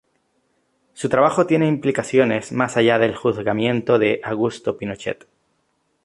Su trabajo tiene implicaciones más allá del juzgamiento de Augusto Pinochet.